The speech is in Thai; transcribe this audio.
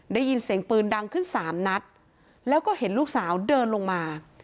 ได้ยินเสียงปืนดังขึ้นสามนัดแล้วก็เห็นลูกสาวเดินลงมา